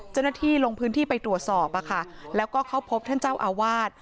เจ้าหน้าที่ลงพื้นที่ไปตรวจสอบแล้วก็เข้าพบท่านเจ้าอาวาส